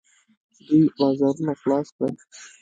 دوی بازارونه خلاص کړل.